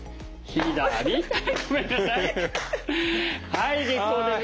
はい結構です。